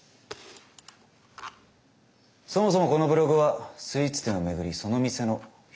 そもそもこのブログはスイーツ店を巡りその店の評価をするものだ。